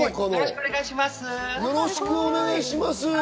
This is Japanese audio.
よろしくお願いします。